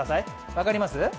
分かります？